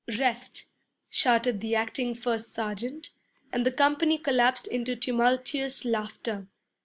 'Rest,' shouted the acting first sergeant, and the company collapsed into tumultuous laughter.